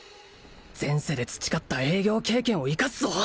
前世で培った営業経験を生かすぞ！